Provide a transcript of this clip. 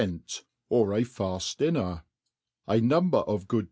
NT, or '^ Faft Dinncr ; a Number of gO(>d.